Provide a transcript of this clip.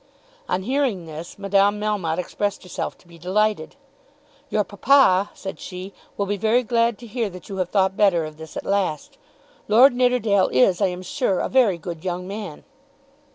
On hearing this Madame Melmotte expressed herself to be delighted. "Your papa," said she, "will be very glad to hear that you have thought better of this at last. Lord Nidderdale is, I am sure, a very good young man."